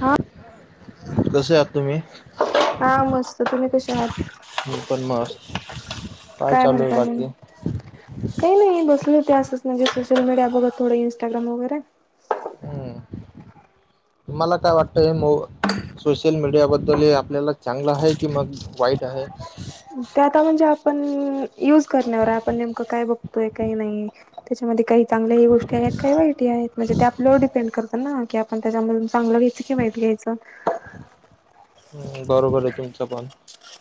हा कसे आहात तुम्ही हा मस्त तुम्ही कशे मी पण आहात मस्त. काय चालूये म्हणता म बाकी काही नाही बसले होते असंच म्हणजे सोशल मीडिया बघत थोडं इंस्टाग्राम वगैरे हम्म मला काय वाटत हे मो सोशल मीडियाबद्दल हे आपल्याला चांगलं आहे कि मग वाईट आहे ते आता म्हणजे आपण यूज करण्यावर ए आपण नेमकं काय बघतोय काय नाही त्याच्यामध्ये काही चांगल्या ही गोष्टी आहेत काही वाईट ही आहेत म्हणजे ते आपल्यावर डिपेंड करत ना की आपण त्याच्यामधून चांगलं घ्यायच की वाईट घ्यायचं हम्म बरोबर ए तुमचं पण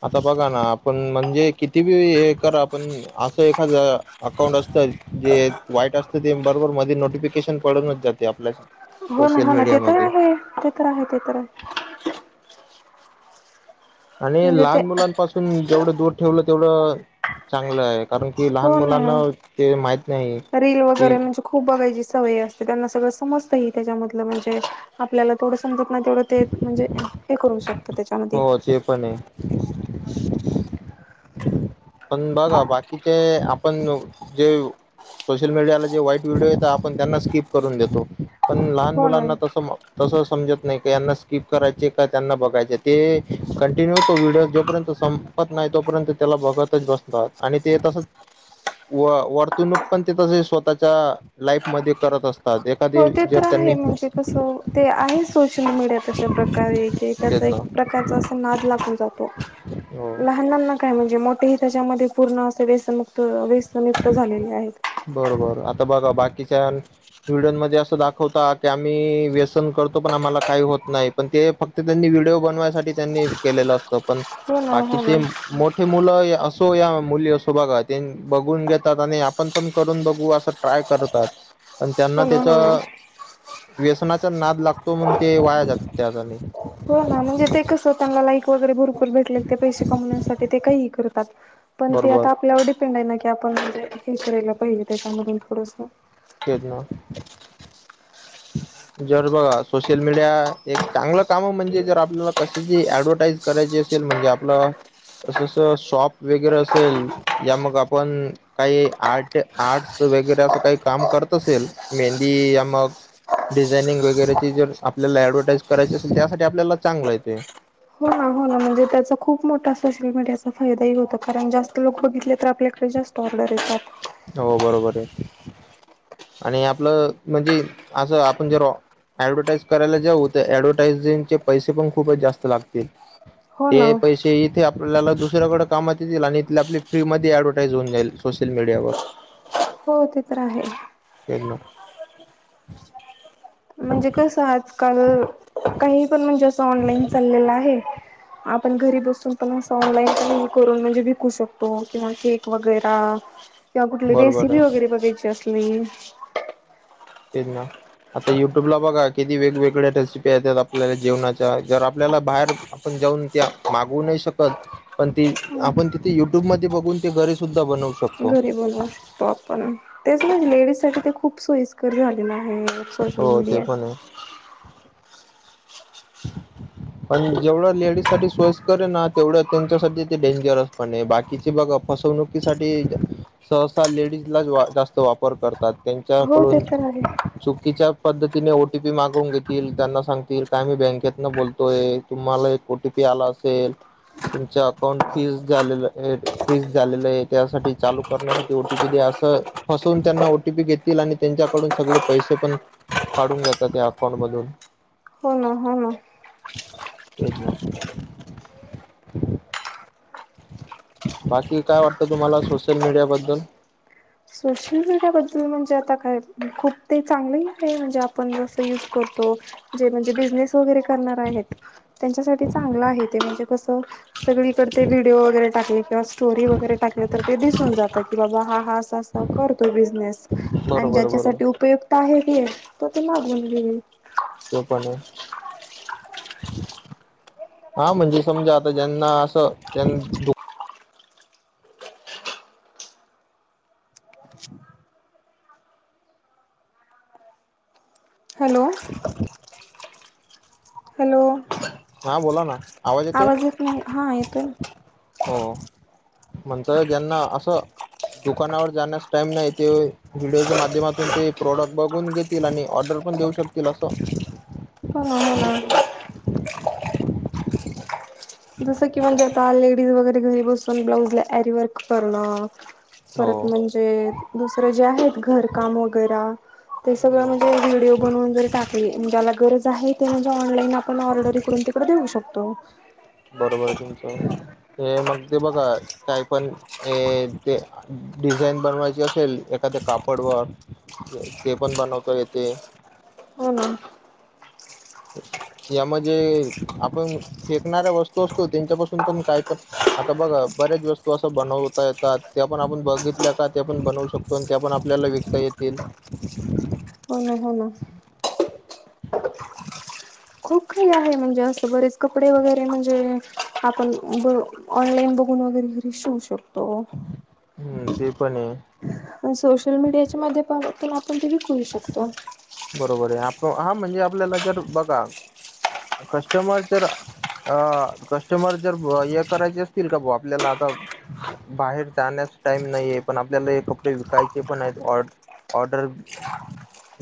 आता बघा ना आपण म्हणजे किती बी हे करा आपण असं एखादं अकाउंट असतं जे वाईट असतं ते बरोबर मध्ये नोटिफिकेशन पडूनच जाते आपल्या [unintelligible] हो ना हो ना ते तर मीडियामध्ये आहे ते तर आहे ते तर आहे आणि म्हणजे ते लहान मुलांपासून जेवढं दूर ठेवलं तेवढं चांगलं आहे कारण की लहान हो ना मुलांना ते माहित नाही रील वगैरे कि म्हणजे खूप बघायची सवय असते त्यांना सगळं समजतंही त्याच्यामधलं म्हणजे आपल्याला तेवढ समजत नाही तेवढं ते म्हणजे हे करू शकत हो ते पण ए पण बघा बाकीचे आपण जे सोशल मीडियाला जे वाईट व्हिडिओ येता आपण त्यांना स्किप करून देतो पण लहान हो ना मुलांना तसं तसं समजत नाही का यांना स्किप करायचे का त्यांना बघायचे ते कंटिन्यू तो व्हिडिओ जोपर्यंत सं पत नाही तोपर्यंत त्याला बघतच बसतात आणि ते तसं व वर्तणूक पण ते तसे स्वतःच्या लाईफमध्ये करत असत हो ते तर आहे म्हणजे कसं ते आहे सोशल मीडिया तशा प्रकारे की तेच त्याचा एक ना प्रकारचा असा नाद लागून जातो हो लहानांना काय म्हणजे मोठे हि त्याच्यामध्ये पूर्ण असे व्यसमुक्त व्यस मुक्त झालेले आहेत बरोबर आता बघा बाकीच्या व्हिडिओनमध्ये असं दाखवता की आम्ही व्यसन करतो पण आम्हाला काही होत नाही पण ते फक् ते त्यांनी व्हिडिओ बनवायसाठी त्यांनी केलेलं असतं पण हो ना हो ना बाकीचे मोठ मुलं असो या मुली असो बघा बघून घेतात आणि आपण करून बघू अस ट्राय करतात पण त्यांना हो ना त्याज हो ना व्यसनाचा नाद लागतो म्हणून ते वाया जातात त्या हो ना म्हणजे ते कसं त्यांना लाईक वगैरे भरपूर भेटले ते पैसे कमवण्यासाठी ते काहीही करतात. पण ते बरोबर आता आपल्यावर डिपेंड आहे ना की आपण म्हणजे हे करायला पाहिजे त्याच्यामधून थोडस. [unintelligible] जर बघा सोशल मीडिया एक चांगलं काम म्हणजे जर आपल्याला कशाची ऍडव्हर्टाइज करायची असेल म्हणजे आपलं अस शॉप वगैरे असेल या मग आपण काही आर्ट आर्टस वगैरे असं काही काम करत असेल मेहंदी या मग डिझायनिंग वगैरेची जर आपल्याला ऍडव्हर्टाईज करायची असेल त्यासाठी आपल्याला चांगलंय ते. हो ना हो ना. म्हणजे त्याचा खूप मोठा सोशल मीडियाचा फायदा ही होतो कारण जास्त लोक तिथले तर आपल्याकडे जास्त ऑर्डर येतात. हो बरोबरये. आणि आपलं म्हणजे असं आपण जे रॉ ऍडव्हर्टाइज करायला ज्या होत्या ऍडव्हटाइजिंगचे पैसे पण खूपच जास्त लागतील. हो ते ना पैशे ते इथे आपल्याला दुसऱ्याकडे कामात येतील आणि इथ आपली फ्री मध्ये ऍडव्हर्टाइज होऊन जाईल सोशल मीडियावर. हो ते तर आहे. तेच ना. म्हणजे कसं आजकाल काही पण म्हणजे असं ऑनलाईन चाललेलं आहे. आपण घरी बसून पण असं ऑनलाईन पण हे करून म्हणजे विकू शकतो किंवा केक वगैरा. [inaudible] किंवा कुठली बरोबर रेसिपी आहे वगैरे बघायची असली तेच ना. आता युट्यूबला बघा किती वेगवेगळ्या रेसिपी येतात आपल्याला जेवणाच्या जर आपल्याला बाहेर आपण जाऊन त्या मागवू नाय शकत पण ती आपण तिथ युट्युबमध्ये बघून ते घरी सुद्धा बनवू शक घरी बनवू शकतो आपण तेच म्हणले लेडीजसाठी ते खूप सोयीस्कर झालेलं आहे. सोशल हो ते मीडिया. पण आहे पण जेवढं लेडीज साठी सोयीस्कर ए ना तेवढं त्यांच्यासाठी ते डेंजरस पणये बा किचे बघा फसवणुकीसाठी सहसा लेडीजला जास्त वापर करतात. हो ते त्यांच्याकडून तर आहे चुकीच्या पद्धतीने ओ टी पी मागवून घेतील त्यांना सांगतील काय आम्ही बँकेतन बोल तोय तुम्हाला एक ओ टी पी आला असेल तुमच्या अकाउंट फीस झालेल फ्रीज झालेलं ए त्यासाठी चालू करण्यासाठी ओ टी पी द्या असं फसवून त्यांना ओटीपी घेतील आणि त्यांच्याकडून सगळे पैसे पण काढून घेतात त्या अकाउंट मधून. हो ना हो ना. तेच ना. बाकी काय वाटतं तुम्हाला सोशल मीडिया बद्दल? सोशल मीडियाबद्दल म्हणजे आता काय खूप ते चांगलंही हाय म्हणजे आपण जसं यूज करतो जे म्हणजे बिझनेस वगैरे करणार आहेत त्यांच्यासाठी चांगलं आहे ते म्हणजे कसं सगळीकडे ते व्हिडिओ वगैरे टाकले किंवा स्टोरी वगैरे टाकले तर ते दिसून जात की बाबा हा हा असा असा करतो बिझनेस आणि बरोबर बरोबर ज्याच्यासाठी उपयुक्त आहे हे, तर ते मागून घेऊ. त्यो पण. हा म्हणजे समजा आता ज्येना असं त्यांन दु हॅलो. हॅलो. हां बोला ना. आवाज येत नाही, हा येतोय ना. हो, म्हणत ज्येना असं दुकानावर जाण्यास टाइम नाही त्यो, व्हिडिओच्या माध्यमातून ते प्रोडक्ट बघून घेत आणि ऑर्डर पण देऊ शकतील असं. कराय आलाय. जसं की म्हणजे आता लेडीज वगैरे घरी बसून ब्लाउज ला एरीवर्क करणं. परत हो म्हणजे, दुसरे जे आहेत घरकाम वैगेरा. ते सगळं बरोबर म्हणजे व्हिडिओ बनवून जर टाकली, ज्येला गरज आहे ते म्हणजे ऑनलाईन आपण ऑर्डरी करून पुढं देऊ शकतो. बरोबर तुमचं, हे मग ते बघा काय पण ए, के, डिझाईन बनवायची असेल, एखाद कापड वर्क ते पण बनवता येते. हो ना. यामध्ये आपण फेकणाऱ्या वस्तू असतो त्येनंच्यापासून पण काय पण आता बघा, बऱ्याच वस्तू असं बनवता येतात त्या पण आपण बघितल्या का ते पण बनवू शकतो. पण त्या पण आपल्याला विकता येतील. होय, हो ना. खूप खाल. म्हणजे, अस बरेच कपडे वगैरे म्हणजे, आपण ब ऑनलाईन बघून वगैरे घरी शिवू शकतो. हम्म, ते पण हेय. सोशल मीडियाच्या माध्यपण आपण ते विकू ही शकतो. बरोबर हाय, आप हा म्हणजे आपल्याला जर बघा, कस्टमर जर अ, कस्टमर जर हे करायचे असतील, का भा आपल्याला आता बाहेर जाण्यास टाइम नाहीये, पण आपल्याला हे कपडे विकायचे पण आहेत. ऑ ऑर्डर.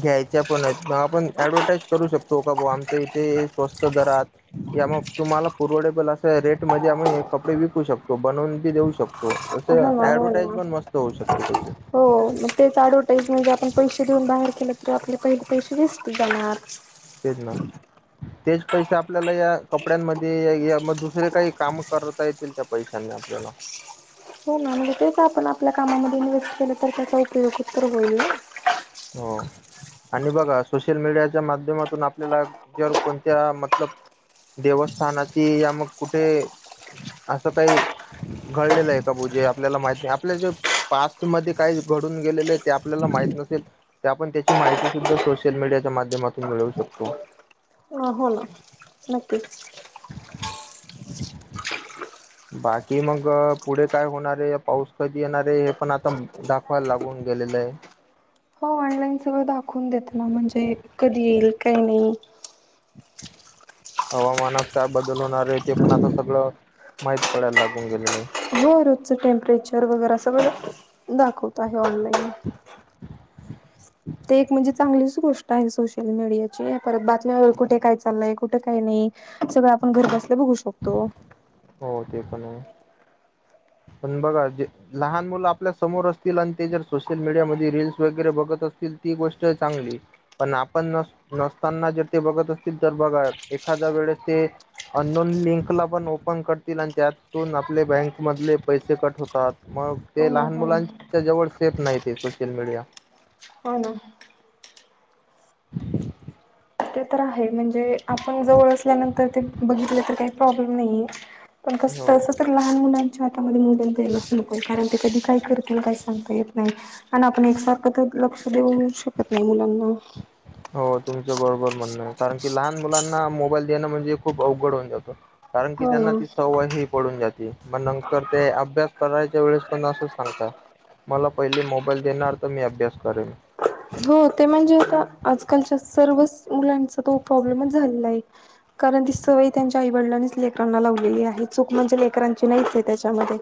घ्यायच्या पण आहेत, मग आपण ऍडव्हटाईज करू शकतो का भा आमच्या इथे स्वस्त दरात या मग तुम्हाला पोवर्डेबल अस रेटमध्येध्येम कपडे विकू शकतो बनवून बी देऊ शकतो. तस हो ना हो ऍडव्हर्टाईज ना पण मस्त होऊ शकते त्याची. हो मग तेच अऍडवर्टाईज म्हणजे आपण पैसे देऊन बाहेर केलं तरी आपले पहिले पैसे वेस्ट जाणार. तेच ना. तेच पैसे आपल्याला या कपड्यांमध्ये, ये मग दुसरे काही काम करता येतील त्या पैशा नाही आपल्याला हो ना म्हणजे तेच आपण -आपल्या कामामध्ये इन्व्हेस्ट केलं तर त्याचा उपयोग त्तर होईल ना. हो. आणि बघा सोशल मीडियाच्या माध्यमातून, आपल्याला जर कोणत्या मतलब देवस्थानाची या मग कुठे, असं काही घडलेलं ए का पूजे, आपल्याला माहित नाही आपल्या जे पास्टमध्ये काय घडून गेलेलं आहे, ते आपल्याला माहित नसेल ते आपण त्याची माहिती सुद्धा सोशल मीडियाच्या माध्यमातून मिळवू शकतो. ह, हो नक्कीच. बाकी मग, पुढे काय होणार हेय, पाऊस कधी येणार हेय, हे पण आता दाखवायला लागून गेलेलं आहे. हो ऑनलाईन सगळं दाखवून देत ना, म्हणजे कधी येईल, काय होईल. हवामानात काय बदल होणार आहे, ते पण आता सगळं, माहित पडायला लागून गेलेलं आहे. हो, रोजचं टेम्परेचर वगैरे सगळं दाखवत आहे ऑनलाईन. [unintelligible] ते एक म्हणजे चांगलीच गोष्ट आहे सोशल मीडियाची, परत बातम्यावर कुठे काय चाललंय कुठे काय नाही सगळं आपण घरी बसल्या बघू शकतो. हो ते पण पण बघा ते लहान मुलं आपल्या समोर असतील आणि ते जर सोशल मीडिया मधे रील्स वगैरे बघत असतील ती गोष्ट चांगलीये पण आपण नस नसताना जर ते बघत असतील तर बघा एखादा वेळेस ते अननोन लिंकला पण ओपन करतील आणि त्यातून आपले बँक मधले पैसे कट होतात मग हो ते ना लहान हो ना मुलांच्या जवळ सेफ नाही ते सोशल मीडिया हो ना ते तर आहे म्हणजे आपण जवळ असल्यानंतर ते बघितलं तर काही प्रॉब्लेम नाहीेये पण कस हो तस तर लहान मुलांच्या हातामध्ये मोबाईल द्यायलाच नको कारण ते कधी काय करतील काही सांगता येत नाही आणि आपण एकसारखं तर लक्ष देऊ शकत नाही मुलांना हो तुमच्या बरोबर म्हणण आहे कारण की लहान मुलांना मोबाईल देणं म्हणजे खूप अवघड होऊन जातं कारण की हो त्यांना ना. ती सवय ही पडून जाते मग नंतर ते अभ्यास करायच्या वेळेस पण असंच सांगतात मला पहिले मोबाईल देणार तर मी अभ्यास करेन हो ते म्हणजे आता आजकालच्या सर्वच मुलांचा तो प्रॉब्लेमच झालेला आहे कारण ती सवय त्यांच्या आई वडिलांनीच लेकरांना लावलेली आहे चूक म्हणजे लेकरांची नाहीच आहे त्याच्यामध्ये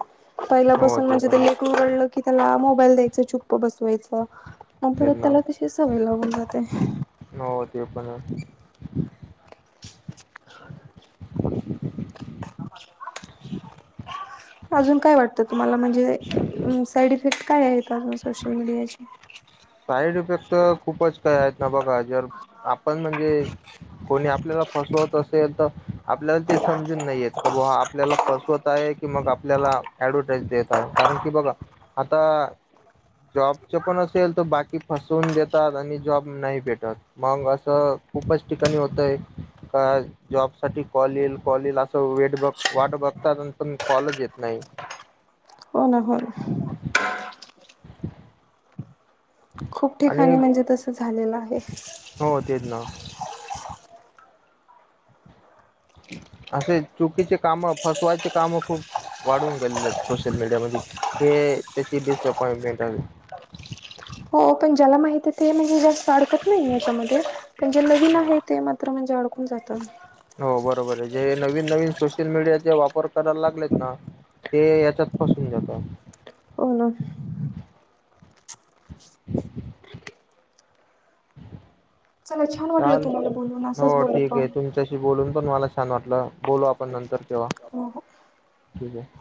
हो पहिल्यापासून ते म्हणजे पण त्यान आहे रडलं की त्याला मोबाईल द्यायचं चुप बसवायचं मग परत त्यांना त्याला तशीच सवय लागून जाते हो ते पण आहे [inaudible] [inaudible] अजून काय वाटतं तुम्हाला म्हणजे साईड इफेक्ट काय आहेत अजून सोशल मीडियाचे साईड इफेक्ट तर खूपच काही आहेत ना बघा जर आपण म्हणजे कोणी आप आपल्याला फसवत असेल तर आपल्याला ते समजून नाहीेत का बुवा आपल्याला फसवत आहे की मग आपल्याला ऍडव्हटाईज देत आहे कारण की बघा आता जॉबचे पण असेल तर बाकी फसवून देतात आणि जॉब नाही भेटत मग असं खूपच ठिकाणी होतय का जॉब साठी कॉल येईल कॉल येईल असं वेट बघ वाट बघतात पण कॉलच येत नाही हो ना हो ना [inaudible] खूप आणि ठिकाणी म्हणजे तसं झालेलं आहे. हो तेच ना असे चुकीचे काम फसवायचे काम खूप वाढून गेलेले आहेत सोशल मीडिया मध्ये हे त्याची डिसअपॉइंटमेंट आहे हो पण ज्याला माहित ते म्हणजे जास्त अडकत नाही याच्यामध्ये पण जे नवीन हो आहे ते [unintelligible] त्र म्हणजे अडकून जातं. हो बरोबर ये, जे नवीन-नवीन सोशल मीडियाचे वापर करायला लागलेत ना ते याच्यात फसून जाता. [unintelligible] [inaudible] चला छान वाटलं चाल तुम्हाला बोलून, असंच हो बोलत ठीक राहु. [unintelligible] बोलून पण मला छान वाटलं, बोलू आपण नंतर तेव्हा, हो हो. ठीक ये.